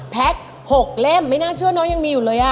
แท็ก๖เล่มไม่น่าเชื่อน้องยังมีอยู่เลย